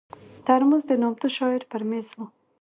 ترموز د نامتو شاعر پر مېز وي.